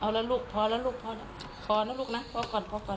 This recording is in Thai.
เอาละลูกพอละลูกพอละลูกนะพ่อก่อนพ่อก่อน